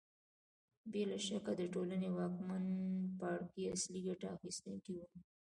بې له شکه د ټولنې واکمن پاړکي اصلي ګټه اخیستونکي وو